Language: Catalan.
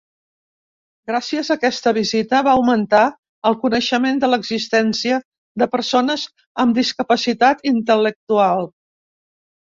Gràcies a aquesta visita va augmentar el coneixement de l'existència de persones amb discapacitat intel·lectual.